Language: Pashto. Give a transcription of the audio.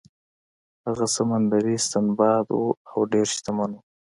هغه سمندري سنباد و او ډیر شتمن و.